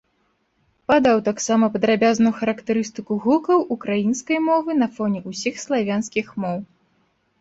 Падаў таксама падрабязную характарыстыку гукаў украінскай мовы на фоне ўсіх славянскіх моў.